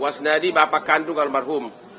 wasnadi bapak kandung almarhum